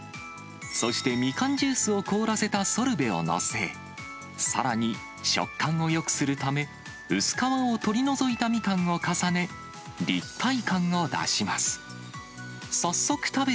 そしてみかんジュースを凍らせたソルベを載せ、さらに食感をよくするため、薄皮を取り除いたみかんを重ね、立体感を出します。